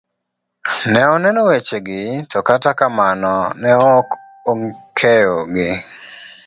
Ne oneno wechegi to kata kamano ne ok okeyo gi.